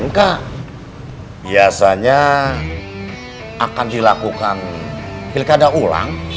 enggak biasanya akan dilakukan pilkada ulang